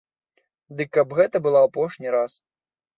Дык каб гэта было апошні раз.